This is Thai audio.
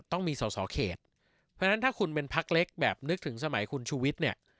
ต้องมีสอสอเขตเพราะฉะนั้นถ้าคุณเป็นพักเล็กแบบนึกถึงสมัยคุณชูวิทย์เนี่ย